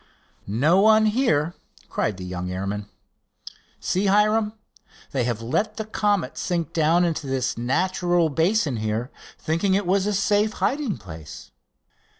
"No one here," cried the young airman. "See, Hiram, they have let the Comet sink down into this natural basin here, thinking it was a safe hiding place."